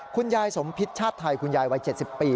คุณยายสมพิษชาติไทยคุณยายวัย๗๐ปี